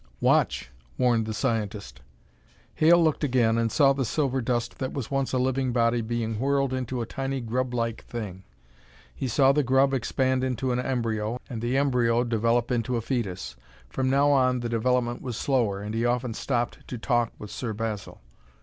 "Watch!" warned the scientist. Hale looked again and saw the silver dust that was once a living body being whirled into a tiny, grublike thing. He saw the grub expand into an embryo, and the embryo develop into a foetus. From now on the development was slower, and he often stopped to talk with Sir Basil.